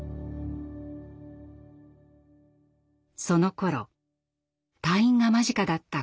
そのころ退院が間近だった